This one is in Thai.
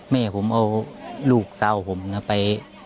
แม่ผมเอาลูกสาวผมไป